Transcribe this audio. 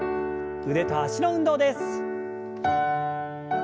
腕と脚の運動です。